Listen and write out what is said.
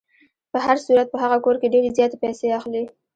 په هر صورت په هغه کور کې ډېرې زیاتې پیسې اخلي.